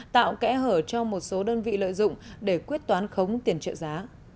tạo kẽ hở cho một số đơn vị lợi dụng để quyết toán khống tiền trợ giá